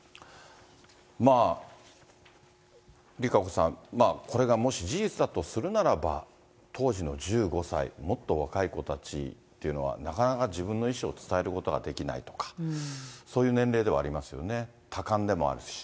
まあ、ＲＩＫＡＣＯさん、これがもし事実だとするならば、当時の１５歳、もっと若い子たちっていうのは、なかなか自分の意思を伝えることができないとか、そういう年齢ではありますよね、多感でもあるし。